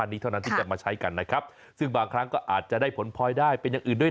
นี้เท่านั้นที่จะมาใช้กันนะครับซึ่งบางครั้งก็อาจจะได้ผลพลอยได้เป็นอย่างอื่นด้วย